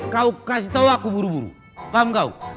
kau kasih tahu aku buru buru paham kau